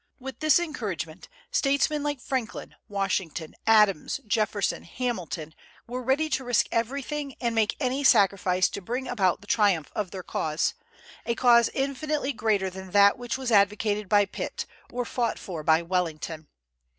With this encouragement, statesmen like Franklin, Washington, Adams, Jefferson, Hamilton, were ready to risk everything and make any sacrifice to bring about the triumph of their cause, a cause infinitely greater than that which was advocated by Pitt, or fought for by Wellington.